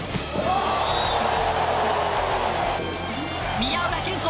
宮浦健人